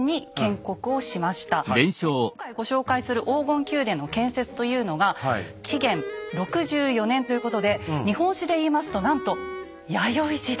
で今回ご紹介する黄金宮殿の建設というのが紀元６４年ということで日本史で言いますとなんと弥生時代。